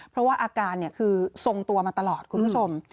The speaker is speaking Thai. เพราะว่าอาการคือทรงตัวมาตลอดคุณผู้ชม